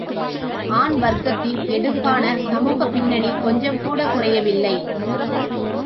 ஆண் வர்க்கத்தின் எடுப்பான சமூகப் பின்னணி கொஞ்சம்கூடக் குறையவில்லை.